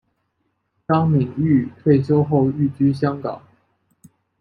张敏钰退休后寓居香港。